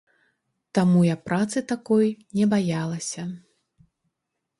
Таму я працы такой не баялася.